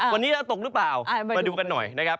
วันนี้เราตกหรือเปล่ามาดูกันหน่อยนะครับ